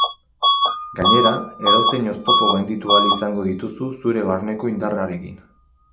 Gainera, edozein oztopo gainditu ahal izango dituzu zure barneko indarrarekin.